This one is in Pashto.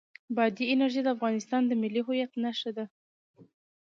بادي انرژي د افغانستان د ملي هویت نښه ده.